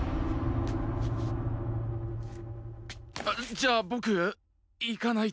じゃあボクいかないと。